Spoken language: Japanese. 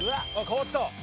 変わった。